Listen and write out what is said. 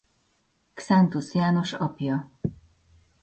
Xántus János apja.